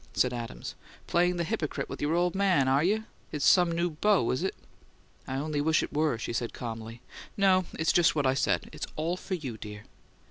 said Adams. "Playing the hypocrite with your old man, are you? It's some new beau, is it?" "I only wish it were," she said, calmly. "No. It's just what I said: it's all for you, dear."